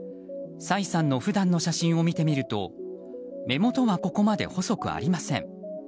サイさんの普段の写真を見てみると目元はここまで細くありません。